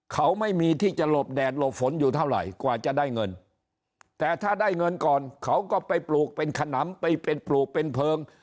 เขาไม่มีที่จะหลบแดดหลบฝนอยู่เท่าไหร่กว่าจะได้เงินแต่ถ้าได้เงินก่อนเขาก็ไปปลูกเป็นขนำไปเป็นปลูกเป็นเพลิง